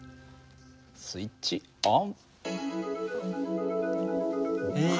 スイッチオン。